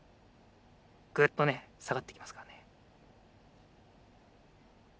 グッとねさがっていきますからね。